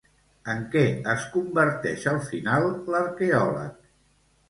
En què es converteix al final l'arqueòleg?